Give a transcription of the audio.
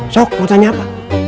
sok mau tanya apa